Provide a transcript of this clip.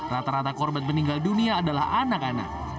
rata rata korban meninggal dunia adalah anak anak